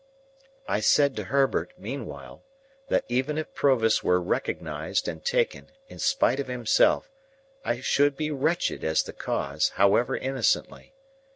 I said to Herbert, meanwhile, that even if Provis were recognised and taken, in spite of himself, I should be wretched as the cause, however innocently.